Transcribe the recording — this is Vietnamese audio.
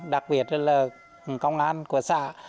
đặc biệt là công an quốc gia